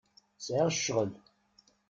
Sɛiɣ ccɣel.